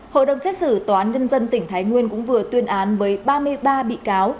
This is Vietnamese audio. hội đồng xét xử tòa án nhân dân tỉnh thái nguyên cũng vừa tuyên án với ba mươi ba bị cáo